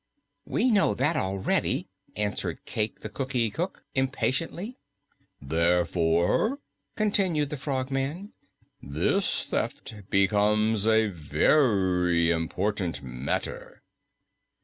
"We know that already," answered Cayke the Cookie Cook impatiently. "Therefore," continued the Frogman, "this theft becomes a very important matter."